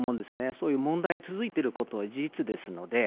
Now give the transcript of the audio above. そういう問題続いていることは事実ですので。